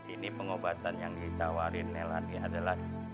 ini pengobatan yang ditawarin melati adalah